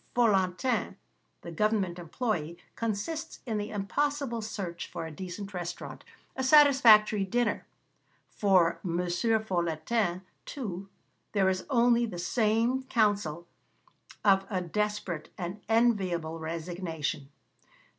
Folantin, the government employé, consists in the impossible search for a decent restaurant, a satisfactory dinner: for M. Folantin, too, there is only the same counsel of a desperate, an inevitable resignation.